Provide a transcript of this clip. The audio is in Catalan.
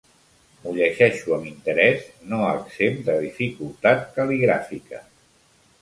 M'ho llegeixo amb interès no exempt de dificultat cal·ligràfica.